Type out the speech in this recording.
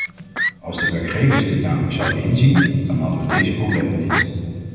Als de werkgevers dit namelijk zouden inzien, dan hadden we deze problemen niet.